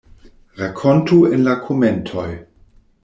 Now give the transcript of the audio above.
Rakontu en la komentoj!